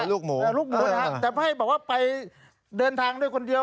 ลูกหมูนะครับแต่ให้บอกว่าไปเดินทางด้วยคนเดียว